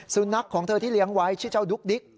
สุนัขของเธอที่เลี้ยงไว้ชื่อเจ้าดุ๊กดิ๊ก